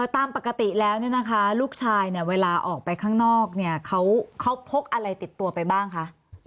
ตามปกติแล้วเนี่ยนะคะลูกชายเนี่ยเวลาออกไปข้างนอกเนี่ยเขาพกอะไรติดตัวไปบ้างคะ